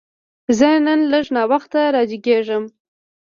زه نن لږ ناوخته راجیګیږم